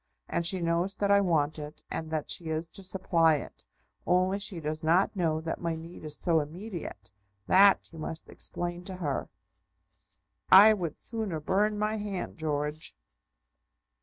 And she knows that I want it, and that she is to supply it; only she does not know that my need is so immediate. That you must explain to her." "I would sooner burn my hand, George!"